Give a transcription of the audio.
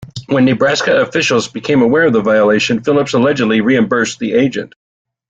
When Nebraska officials became aware of the violation, Phillips allegedly reimbursed the agent.